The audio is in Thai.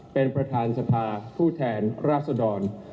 เป็นประธานสภาผู้แทนราษดร